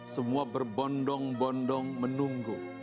semua berbondong bondong menunggu